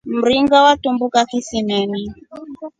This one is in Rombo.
Mringa watumbuka kisimeni.